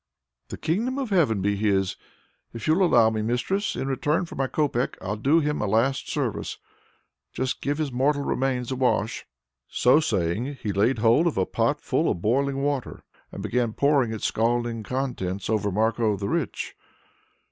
"The kingdom of heaven be his! If you'll allow me, mistress, in return for my copeck I'll do him a last service just give his mortal remains a wash." So saying he laid hold of a pot full of boiling water and began pouring its scalding contents over Marko the Rich.